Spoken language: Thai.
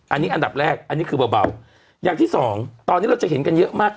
อันนี้อันดับแรกอันนี้คือเบาอย่างที่สองตอนนี้เราจะเห็นกันเยอะมาก